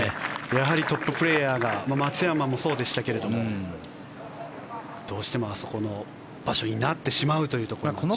やはりトッププレーヤーが松山もそうでしたけどどうしてもあそこの場所になってしまうということなんでしょうか。